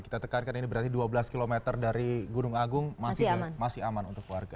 kita tekankan ini berarti dua belas km dari gunung agung masih aman untuk warga